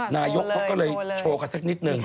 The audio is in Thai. นายกเขาก็เลยโชว์กันสักนิดนึง